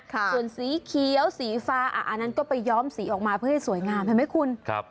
ส่วนสีเขียวสีฟ้าอันนั้นก็ไปย้อมสีออกมาเพื่อให้สวยงามเห็นไหมคุณ